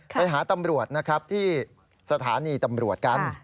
ไปหาตำรวจนะครับที่สถานีตำรวจกัน